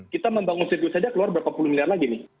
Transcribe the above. kita membangun sirkuit saja keluar berapa puluh miliar lagi nih